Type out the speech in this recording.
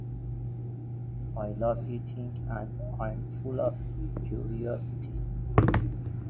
I love eating and I’m full of curiosity.